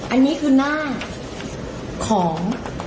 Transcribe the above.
อันนี้คือหน้าของ